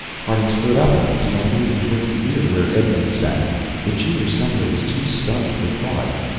Harding stood up and began moving towards the rear where Edmonds sat. The junior senator was too stunned for thought.